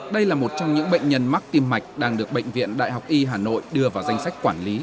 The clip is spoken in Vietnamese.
đây là một trong những bệnh nhân mắc tim mạch đang được bệnh viện đại học y hà nội đưa vào danh sách quản lý